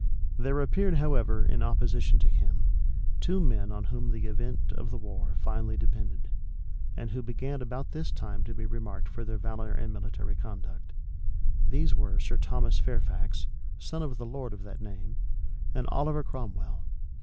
There appeared, however, in opposition to him, two men on whom the event of the war finally depended, and who began about this time to be remarked for their valor and military conduct. These were Sir Thomas Fairfax, son of the lord of that name, and Oliver Cromwell.